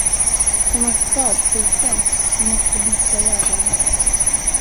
Hon var skadskjuten, hon måste bita jägaren.